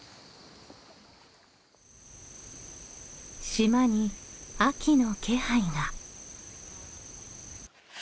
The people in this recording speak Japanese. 島に秋の気配が。